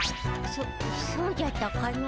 そそうじゃったかの。